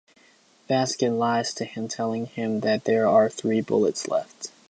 Vasquez lies to him, telling him that there are three bullets left.